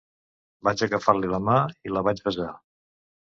Vaig agafar-li la mà i la vaig besar.